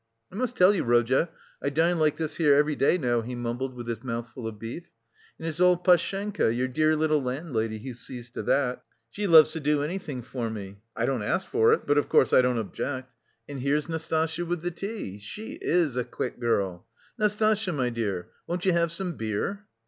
"I must tell you, Rodya, I dine like this here every day now," he mumbled with his mouth full of beef, "and it's all Pashenka, your dear little landlady, who sees to that; she loves to do anything for me. I don't ask for it, but, of course, I don't object. And here's Nastasya with the tea. She is a quick girl. Nastasya, my dear, won't you have some beer?"